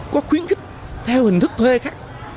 có khuyến khích theo hình thức thuê khác